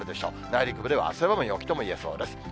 内陸部では汗ばむ陽気ともいえそうです。